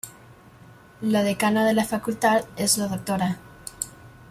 La decana de la Facultad es la Dra.